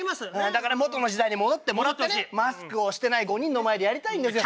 だから元の時代に戻ってもらってねマスクをしてない５人の前でやりたいんですよ。